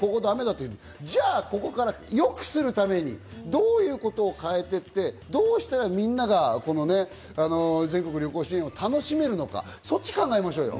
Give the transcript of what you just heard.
じゃあ、ここからよくするためにどういうことを変えていって、どうしたらみんなが全国旅行支援を楽しめるのか、そっちを考えましょうよ。